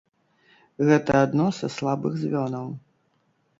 Гэта адно са слабых звёнаў.